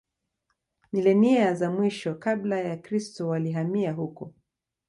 Milenia za mwisho Kabla ya Kristo walihamia huko